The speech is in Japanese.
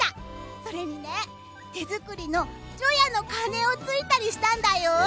それにね、手作りの除夜の鐘を突いたりしたんだよ。